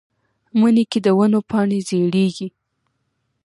مني کې د ونو پاڼې ژیړیږي